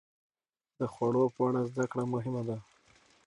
د خوړو په اړه زده کړه مهمه ده.